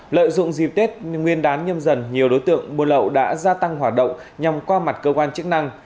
lợi dụng dịp tết nguyên đán nhâm dần nhiều đối tượng buôn lậu đã gia tăng hoạt động nhằm qua mặt cơ quan chức năng